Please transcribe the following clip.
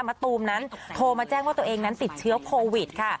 ตูมนั้นโทรมาแจ้งว่าตัวเองนั้นติดเชื้อโควิดค่ะ